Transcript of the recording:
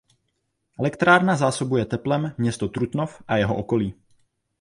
Elektrárna zásobuje teplem město Trutnov a jeho okolí.